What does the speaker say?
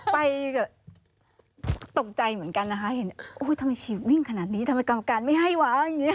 ไปตกใจเหมือนกันนะคะทำไมฉี่วิ่งขนาดนี้ทำไมกรรมการไม่ให้วะ